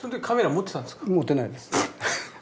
持ってないです。